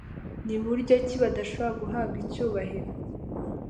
Ni buryo ki bashobora guhabwa icyubahiro